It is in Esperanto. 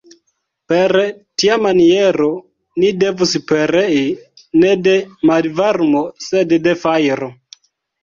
Per tia maniero ni devus perei ne de malvarmo, sed de fajro.